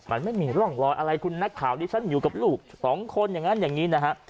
มันไม่มีร่องรอยอะไรคุณนักข่าวที่ฉันอยู่กับลูกสองคนอย่างนั้นอย่างนี้นะฮะ